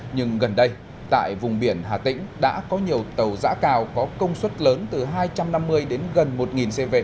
nhưng gần đây tại vùng biển hà tĩnh đã có nhiều tàu giã cào có công suất lớn từ hai trăm năm mươi đến gần một cv